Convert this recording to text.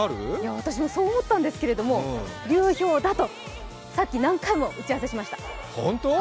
私もそう思ったんですけれども、流氷だとさっき何回も打ち合わせしました。